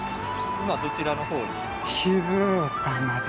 今どちらのほうに？